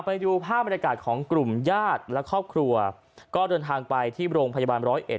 ไปดูภาพบรรยากาศของกลุ่มญาติและครอบครัวก็เดินทางไปที่โรงพยาบาลร้อยเอ็